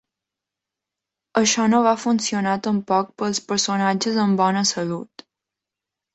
Això no va funcionar tampoc pels personatges amb bona salut.